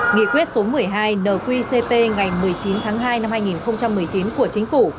nghị quyết số một mươi hai nqcp ngày một mươi chín tháng hai năm hai nghìn một mươi chín của chính phủ